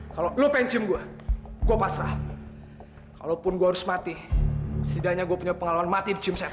kalau lo pengen cium gua gua pasrah kalaupun gua harus mati setidaknya gue punya pengalaman mati di cium setan